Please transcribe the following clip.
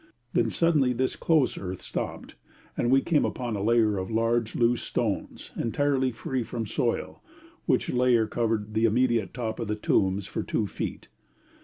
Then suddenly this close earth stopped, and we came across a layer of large loose stones, entirely free from soil, which layer covered the immediate top of the tombs for two feet.